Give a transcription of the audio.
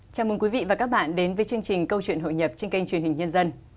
chào mừng quý vị và các bạn đến với chương trình câu chuyện hội nhập trên kênh truyền hình nhân dân